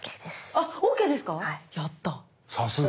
あっＯＫですか？